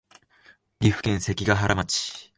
岐阜県関ケ原町